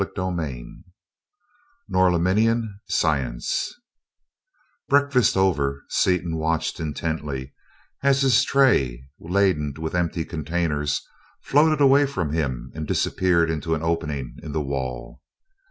CHAPTER X Norlaminian Science Breakfast over, Seaton watched intently as his tray, laden with empty containers, floated away from him and disappeared into an opening in the wall.